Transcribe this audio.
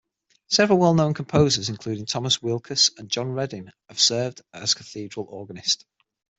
Several well-known composers, including Thomas Weelkes and John Reading, have served as cathedral organist.